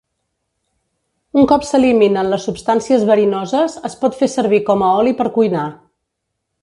Un cop s'eliminen les substàncies verinoses, es pot fer servir com a oli per cuinar.